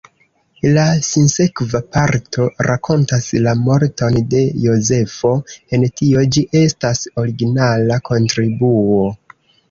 La sinsekva parto rakontas la morton de Jozefo: en tio ĝi estas originala kontribuo.